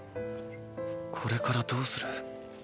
これからどうする？